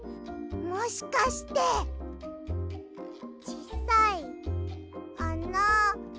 もしかしてちっさいあなない。